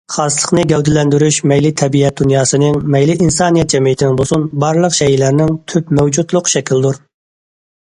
خاسلىقنى گەۋدىلەندۈرۈش مەيلى تەبىئەت دۇنياسىنىڭ، مەيلى ئىنسانىيەت جەمئىيىتىنىڭ بولسۇن، بارلىق شەيئىلەرنىڭ تۈپ مەۋجۇتلۇق شەكلىدۇر.